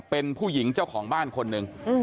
เป็นผู้หญิงเจ้าของบ้านคนหนึ่ง